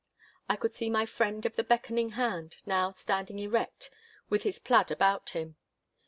I could see my friend of the beckoning hand now standing erect with his plaid about him.